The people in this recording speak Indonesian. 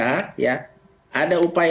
ada upaya upaya mengarah ke bawaslu kota surabaya